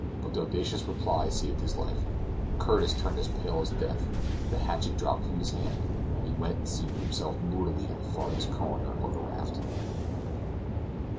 But the audacious reply saved his life; Curtis turned as pale as death, the hatchet dropped from his hand, and he went and seated himself moodily on the farthest corner of the raft.